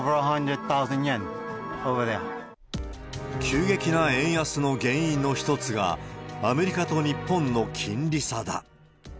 急激な円安の原因の一つが、アメリカと日本の金利差だ。